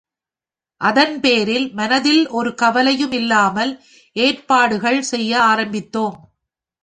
அதன்பேரில் மனத்தில் ஒரு கவலையுமில்லாமல் ஏற்பாடுகள் செய்ய ஆரம்பித்தோம்.